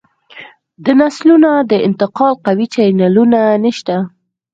د نسلونو د انتقال قوي چینلونه نشته